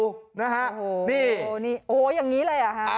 โอ้โฮอย่างนี้เลย